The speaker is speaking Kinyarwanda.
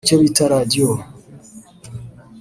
icyo bita Radio